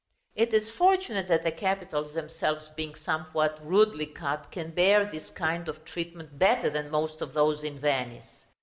It is fortunate that the capitals themselves, being somewhat rudely cut, can bear this kind of treatment better than most of those in Venice.